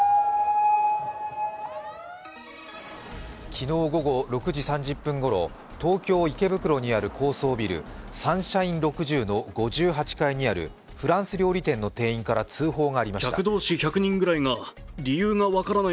昨日午後６時３０分ごろ、東京・池袋にある高層ビル、サンシャイン６０の５８階にあるフランス料理店の店員から通報がありました。